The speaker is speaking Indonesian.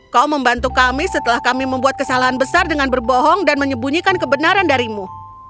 kau membantu kami setelah kami membuat kesalahan besar dengan berbohong dan menyembunyikan kebenaran darimu